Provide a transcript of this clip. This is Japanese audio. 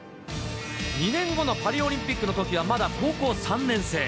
２年後のパリオリンピックのときはまだ高校３年生。